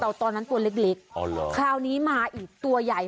แต่ตอนนั้นตัวเล็กคราวนี้มาอีกตัวใหญ่